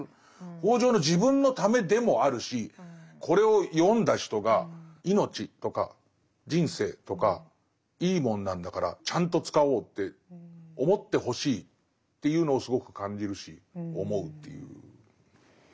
北條の自分のためでもあるしこれを読んだ人が命とか人生とかいいもんなんだからちゃんと使おうって思ってほしいっていうのをすごく感じるし思うっていう。